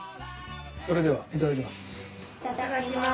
それではいただきます。